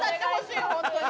本当に。